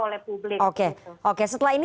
oleh publik oke oke setelah ini